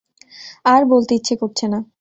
আর বলতে ইচ্ছে করছে না।